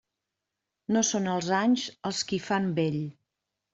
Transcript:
No són els anys els qui fan vell.